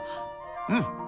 うん。